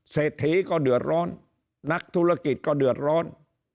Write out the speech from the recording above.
เศรษฐีก็เดือดร้อนนักธุรกิจก็เดือดร้อน